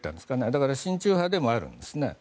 だから、親中派でもあるんです。